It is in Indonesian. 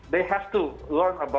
mereka harus belajar tentang